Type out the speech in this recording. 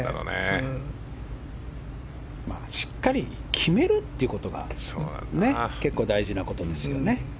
決めるということが結構大事なことですよね。